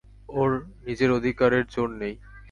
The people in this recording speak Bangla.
ওঁর নিজের অধিকারের জোর নেই।